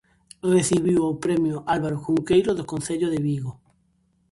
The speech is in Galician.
Recibiu o Premio Álvaro Cunqueiro do Concello de Vigo.